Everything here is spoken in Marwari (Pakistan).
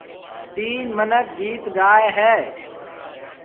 تين مِنک گِيت گائي هيَ۔